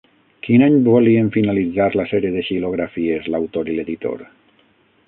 Quin any volien finalitzar la sèrie de xilografies l'autor i l'editor?